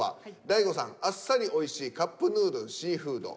大悟さん「あっさりおいしいカップヌードルシーフード」。